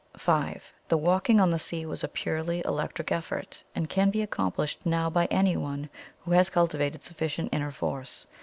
"5. The walking on the sea was a purely electric effort, AND CAN BE ACCOMPLISHED NOW BY ANYONE who has cultivated sufficient inner force.